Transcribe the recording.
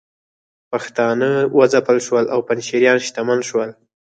پښتانه وځپل شول او پنجشیریان شتمن شول